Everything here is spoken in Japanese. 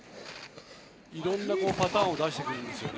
いろんなパターンを出してくるんですよね。